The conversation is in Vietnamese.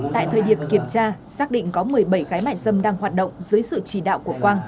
tại thời điểm kiểm tra xác định có một mươi bảy gái mại dâm đang hoạt động dưới sự chỉ đạo của quang